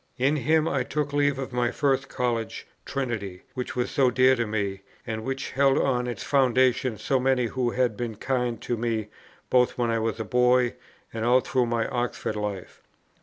In him I took leave of my first College, Trinity, which was so dear to me, and which held on its foundation so many who had been kind to me both when I was a boy, and all through my Oxford life.